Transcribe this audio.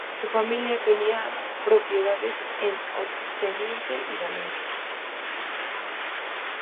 Su familia tenía propiedades en Onteniente y Valencia.